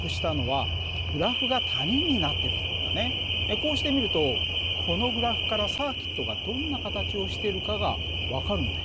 こうして見るとこのグラフからサーキットがどんな形をしているかが分かるんだよ。